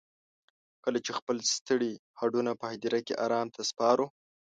کله چې خپل ستړي هډونه په هديره کې ارام ته سپارو.